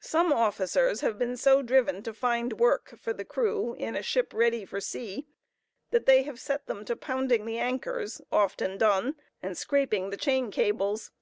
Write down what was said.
Some officers have been so driven to find work for the crew in a ship ready for sea, that they have set them to pounding the anchors (often done) and scraping the chain cables.